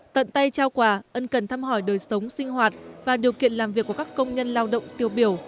tận tay trao quà ân cần thăm hỏi đời sống sinh hoạt và điều kiện làm việc của các công nhân lao động tiêu biểu